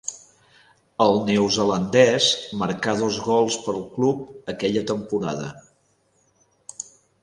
El neozelandès marcà dos gols pel club aquella temporada.